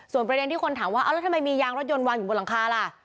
ประเด็นที่คนถามว่าแล้วทำไมมียางรถยนต์วางอยู่บนหลังคาล่ะ